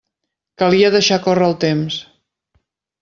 Calia deixar córrer el temps.